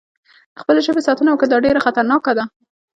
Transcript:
د خپل ژبې ساتنه وکړه، دا ډېره خطرناکه ده.